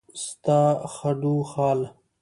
ستا خدوخال